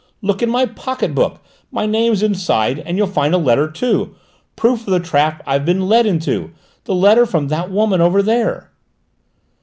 "Look in my pocket book; my name's inside; and you'll find a letter too; proof of the trap I've been led into: the letter from that woman over there!"